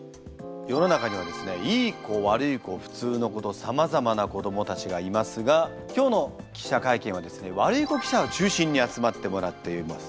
世の中にはですねいい子悪い子普通の子とさまざまな子どもたちがいますが今日の記者会見はですね悪い子記者を中心に集まってもらっています。